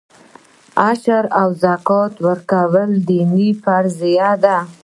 عشر او زکات ورکول دیني فریضه ده.